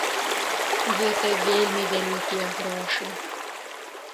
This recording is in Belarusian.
Гэта вельмі вялікія грошы!